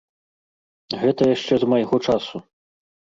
Гэта яшчэ з майго часу.